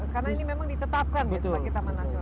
karena ini memang ditetapkan sebagai taman nasional